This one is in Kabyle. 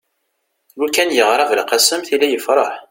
lukan yeɣra belqsem tili yefreḥ